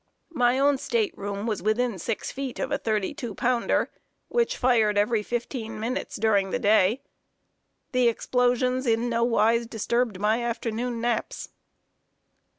My own state room was within six feet of a thirty two pounder, which fired every fifteen minutes during the day. The explosions in no wise disturbed my afternoon naps.